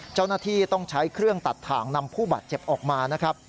เจ้าหน้าที่ต้องใช้เครื่องตัดถ่างนำผู้บาดเจ็บออกมานะครับ